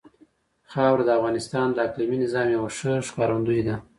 خاوره د افغانستان د اقلیمي نظام یوه ښه ښکارندوی ده.